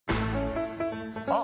あ！